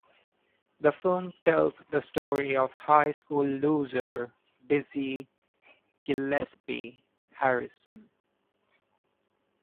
The film tells the story of high school loser Dizzy Gillespie Harrison.